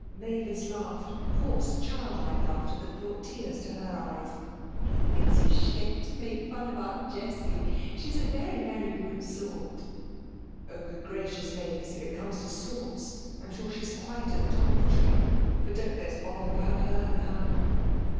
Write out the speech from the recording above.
Mavis laughed hoarse, childlike laughter that brought tears to her eyes. 'It's a shame to make fun of Aunt Jessie; she's a very, very good sort.' 'Oh, good gracious, Mavis, if it comes to sorts, I'm sure she's quite at the top of the tree. But don't let's bother about her now.'